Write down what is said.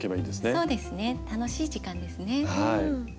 そうですね楽しい時間ですね。